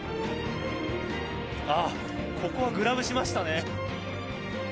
あっ、ここはグラブしましたね。